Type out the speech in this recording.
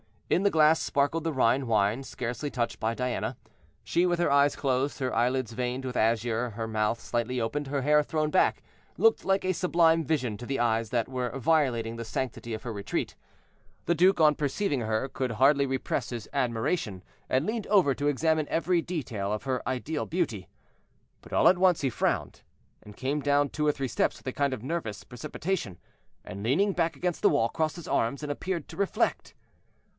In the glass sparkled the Rhine wine, scarcely touched by Diana. She, with her eyes closed, her eyelids veined with azure, her mouth slightly opened, her hair thrown back, looked like a sublime vision to the eyes that were violating the sanctity of her retreat. The duke, on perceiving her, could hardly repress his admiration, and leaned over to examine every detail of her ideal beauty. But all at once he frowned, and came down two or three steps with a kind of nervous precipitation, and leaning back against the wall, crossed his arms and appeared to reflect.